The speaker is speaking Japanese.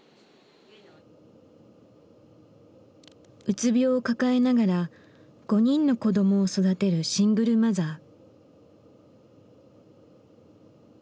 うつ病を抱えながら５人の子どもを育てるシングルマザー。